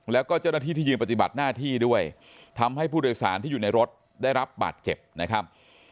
แล้วก็เจ้าหน้าที่ที่ยืนปฏิบัติหน้าที่ด้วยทำให้ผู้โดยสารที่อยู่ในรถได้รับบาดเจ็บนะครับ